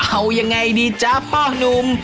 เอายังไงดีจ๊ะพ่อนุ่ม